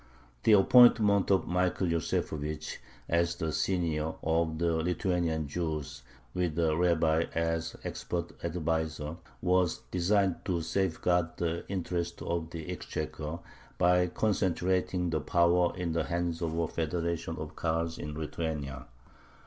The appointment of Michael Yosefovich as the "senior" of the Lithuanian Jews, with a rabbi as expert adviser, was designed to safeguard the interests of the exchequer by concentrating the power in the hands of a federation of Kahals in Lithuania.